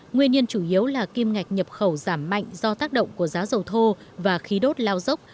nguyên nhân chủ yếu là kim ngạch nhập khẩu giảm mạnh do tác động của giá dầu thô và khí đốt lao dốc